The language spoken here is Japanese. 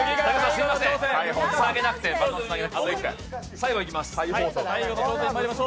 最後いきます。